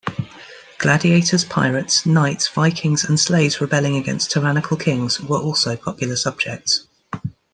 Gladiators, pirates, knights, Vikings, and slaves rebelling against tyrannical kings were also popular subjects.